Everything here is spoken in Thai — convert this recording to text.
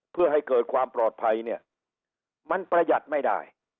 เพื่อให้เกิดความปลอดภัยเนี่ยมันประหยัดไม่ได้